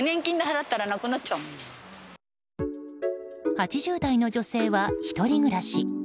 ８０代の女性は１人暮らし。